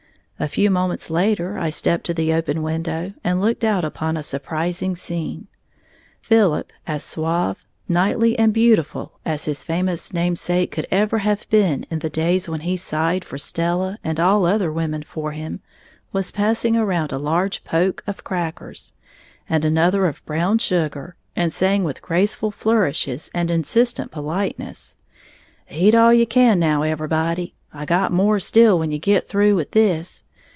A few moments later I stepped to the open window and looked out upon a surprising scene. Philip, as suave, knightly and beautiful as his famous namesake could ever have been in the days when he sighed for Stella and all other women for him, was passing around a large "poke" of crackers, and another of brown sugar, and saying with graceful flourishes and insistent politeness, "Eat all you can, now, everybody, I got more still when you git through this.